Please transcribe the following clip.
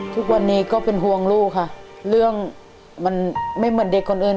ทุกวันนี้ก็เป็นห่วงลูกค่ะเรื่องมันไม่เหมือนเด็กคนอื่น